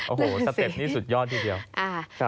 โอ้โหสเต็ปนี่สุดยอดทีเดียว